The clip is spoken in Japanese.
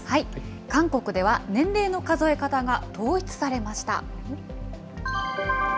韓国では、年齢の数え方が統一されました。